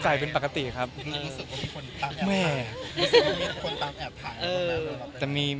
ถ้าเกิดมีภาพออกมาเราโอเคใช่ไหม